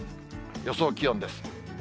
予想気温です。